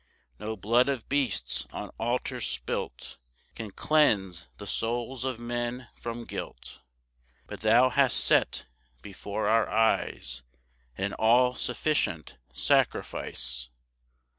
2 No blood of beasts on altars spilt, Can cleanse the souls of men from guilt, But thou hast set before our eyes An all sufficient sacrifice.